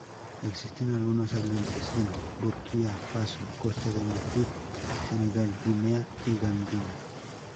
Existen algunos hablantes en Burkina Faso, Costa de Marfil, Senegal, Guinea y Gambia.